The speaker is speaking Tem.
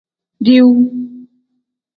Diiwu.